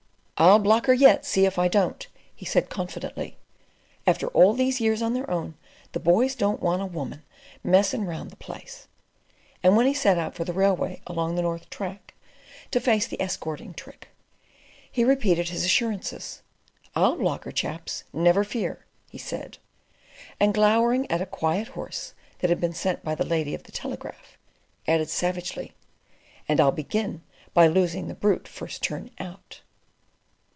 "I'll block her yet; see if I don't," he said confidently. "After all these years on their own, the boys don't want a woman messing round the place." And when he set out for the railway along the north track, to face the "escorting trick," he repeated his assurances. "I'll block her, chaps, never fear," he said; and glowering at a "quiet" horse that had been sent by the lady at the Telegraph, added savagely, "and I'll begin by losing that brute first turn out."